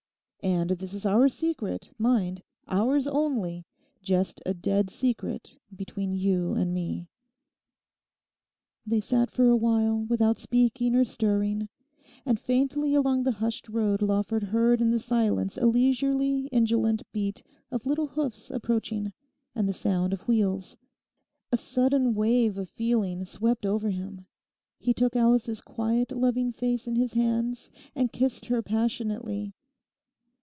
And this is our secret, mind; ours only; just a dead secret between you and me.' They sat for awhile without speaking or stirring. And faintly along the hushed road Lawford heard in the silence a leisurely indolent beat of little hoofs approaching, and the sound of wheels. A sudden wave of feeling swept over him. He took Alice's quiet loving face in his hands and kissed her passionately.